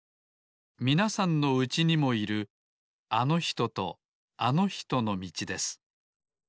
みなさんのうちにもいるあのひととあのひとのみちです